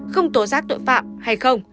không tố giác tội phạm hay không